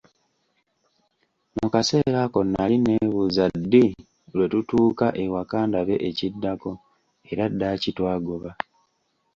Mu kaseera ako nali neebuuza ddi lwe tutuuka ewaka ndabe ekiddako, era ddaaki twagoba.